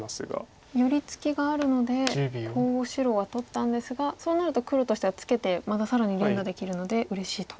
寄り付きがあるのでコウを白は取ったんですがそうなると黒としてはツケてまた更に連打できるのでうれしいと。